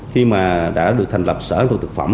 khi mà đã được thành lập sở an toàn thực phẩm